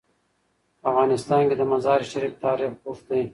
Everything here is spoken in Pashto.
په افغانستان کې د مزارشریف تاریخ اوږد دی.